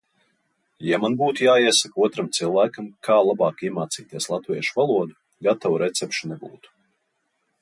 Ja man būtu jāiesaka otram cilvēkam, kā labāk iemācīties latviešu valodu, gatavu recepšu nebūtu.